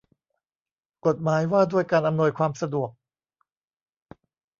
กฎหมายว่าด้วยการอำนวยความสะดวก